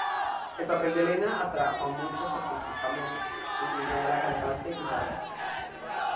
El papel de Helena atrajo a muchas actrices famosas, incluso a la cantante Madonna.